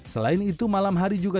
selain itu malam hari juga